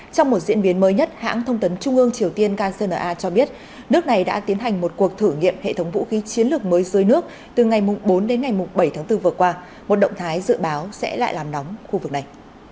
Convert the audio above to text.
trong một diễn biến mới nhất hãng thông tấn trung ương triều tiên kcna cho biết nước này đã tiến hành một cuộc thử nghiệm hệ thống vũ khí chiến lược mới dưới nước từ ngày bốn đến ngày bảy tháng bốn vừa qua một động thái dự báo sẽ lại làm nóng khu vực này